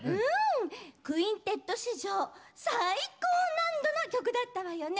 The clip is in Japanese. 「クインテット」史上最高難度の曲だったわよね！